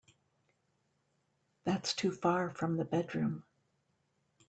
That's too far from the bedroom.